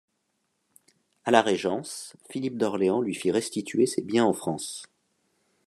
À la Régence, Philippe d’Orléans lui fit restituer ses biens en France.